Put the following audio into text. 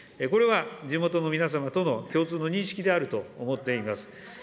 これは地元の皆様との共通の認識であると思っています。